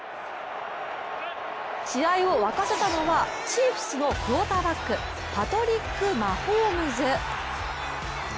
試合をわかせたのはチーフスのクオーターバックパトリック・マホームズ。